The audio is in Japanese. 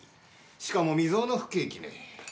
しかも未曽有の不景気ね。